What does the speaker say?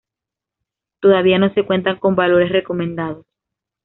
Todavía no se cuenta con valores recomendados.